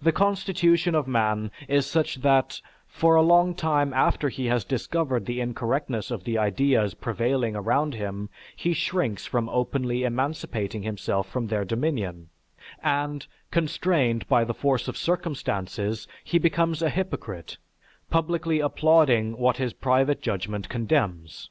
The constitution of man is such that, for a long time after he has discovered the incorrectness of the ideas prevailing around him, he shrinks from openly emancipating himself from their dominion, and, constrained by the force of circumstances, he becomes a hypocrite, publicly applauding what his private judgment condemns.